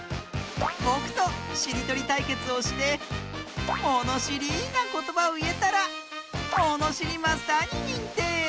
ぼくとしりとりたいけつをしてものしりなことばをいえたらものしりマスターににんてい！